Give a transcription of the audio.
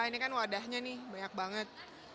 ini kan wadahnya nih banyak banget